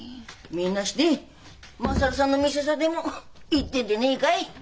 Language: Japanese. みんなして優さんの店さでも行ってんでねえかい。